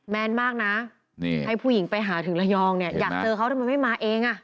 แม่นมากนะให้ผู้หญิงไปหาถึงระยองเนี่ยอยากเจอเขาทำไมไม่มาเองอ่ะ